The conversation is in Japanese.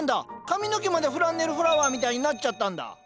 髪の毛までフランネルフラワーみたいになっちゃったんだ。